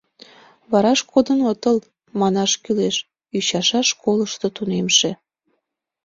— «Вараш кодын отыл?» манаш кӱлеш, — ӱчаша школышто тунемше.